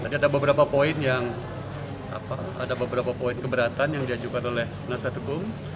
jadi ada beberapa poin yang ada beberapa poin keberatan yang diajukan oleh penasihat hukum